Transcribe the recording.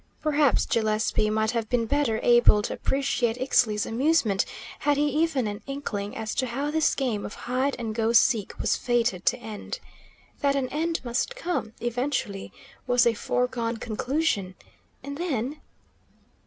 Perhaps Gillespie might have been better able to appreciate Ixtli's amusement had he even an inkling as to how this game of hide and go seek was fated to end. That an end must come, eventually, was a foregone conclusion. And then?